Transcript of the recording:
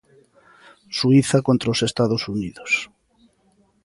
Suíza contra os Estados Unidos.